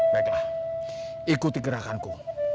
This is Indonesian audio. baiklah ikuti gerakanku